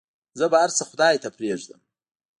زه به هرڅه خداى ته پرېږدم.